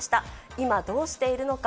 今、どうしているのか。